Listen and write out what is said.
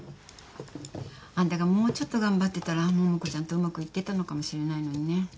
あんたがもうちょっと頑張ってたら桃子ちゃんとうまくいってたのかもしれないのにね。